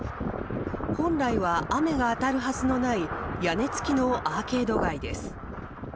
本来は雨が当たるはずのない屋根付きのアーケード街です。